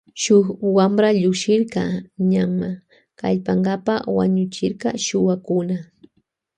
Shun wampra llukshirka ñanma kallpankapa wañuchirka shuwakuna.